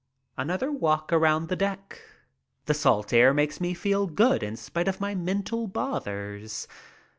Another walk around the deck. The salt air makes me feel good in spite of my mental bothers.